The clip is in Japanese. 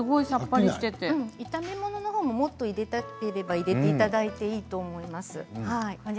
炒め物のほうももっと入れたければ入れていいと思います。